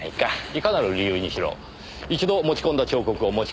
いかなる理由にしろ一度持ち込んだ彫刻を持ち帰っています。